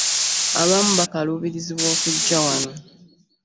Abamu bakaluubirizibwa okujja wano.